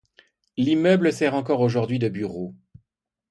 L'immeuble sert encore aujourd'hui de bureaux.